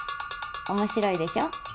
面白いでしょ。